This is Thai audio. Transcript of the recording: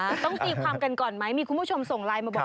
ต้องตีความกันก่อนไหมมีคุณผู้ชมส่งไลน์มาบอก